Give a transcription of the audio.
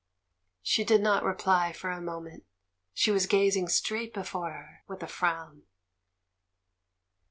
She did not reply for a moment. She was gazing straight before her, with a frown.